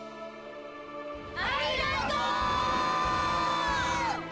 ありがとう！